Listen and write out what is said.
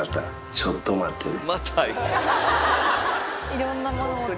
ちょっと待ってね。